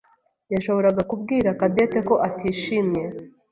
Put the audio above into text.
yashoboraga kubwira Cadette ko atishimye.